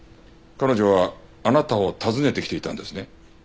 彼女はあなたを訪ねてきていたんですね。